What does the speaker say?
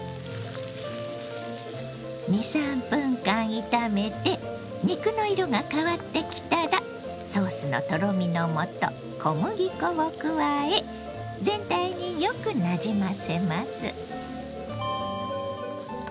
２３分間炒めて肉の色が変わってきたらソースのとろみのもと小麦粉を加え全体によくなじませます。